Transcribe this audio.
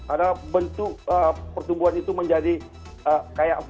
ada bentuk pertumbuhan itu menjadi kayak